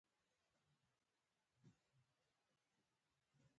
کرنیز ماشین آلات باید په دې کرښو کې تګ راتګ وکولای شي.